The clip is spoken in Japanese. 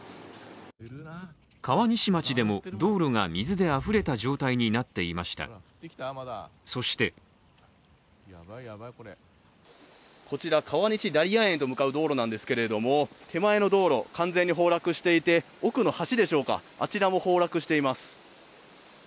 川西町でも道路が水であふれた状態になっていました、そしてこちら、川西ダリヤ園に向かう道路なんですが手前の道路、完全に崩落していて奥の橋でしょうか、あちらも崩落しています。